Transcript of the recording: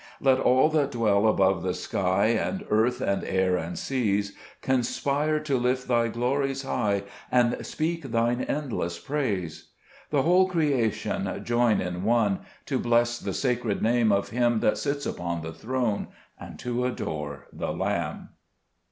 4 Let all that dwell above the sky, And air, and earth, and seas, Conspire to lift Thy glories high, And speak Thine endless praise. 5 The whole creation join in one, To bless the sacred Name Of Him that sits upon the throne, And to adore the Lamb.